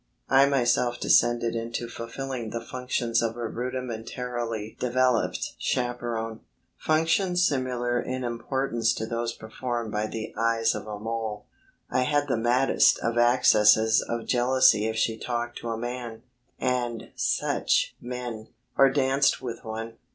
I myself descended into fulfilling the functions of a rudimentarily developed chaperon functions similar in importance to those performed by the eyes of a mole. I had the maddest of accesses of jealousy if she talked to a man and such men or danced with one.